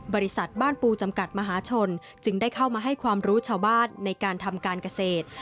บริษัทบ้านปูจำกัดมหาชนจึงได้เข้ามาให้ความรู้ชาวบ้านในการทำการเกษตร